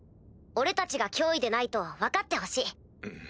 俺たちが脅威でないと分かってほしい。